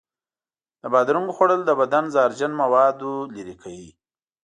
د بادرنګو خوړل د بدن زهرجن موادو لرې کوي.